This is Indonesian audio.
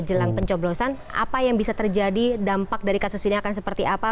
jelang pencoblosan apa yang bisa terjadi dampak dari kasus ini akan seperti apa